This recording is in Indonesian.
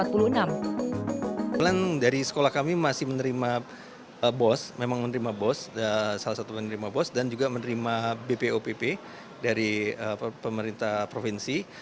pelan dari sekolah kami masih menerima bos memang menerima bos salah satu menerima bos dan juga menerima bpopp dari pemerintah provinsi